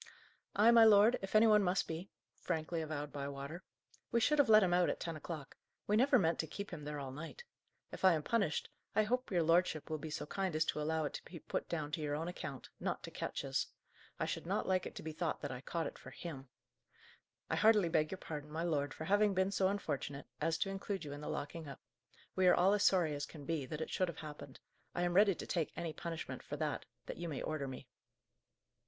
"I, my lord, if any one must be," frankly avowed Bywater. "We should have let him out at ten o'clock. We never meant to keep him there all night. If I am punished, I hope your lordship will be so kind as allow it to be put down to your own account, not to Ketch's. I should not like it to be thought that I caught it for him. I heartily beg your pardon, my lord, for having been so unfortunate as to include you in the locking up. We are all as sorry as can be, that it should have happened. I am ready to take any punishment, for that, that you may order me."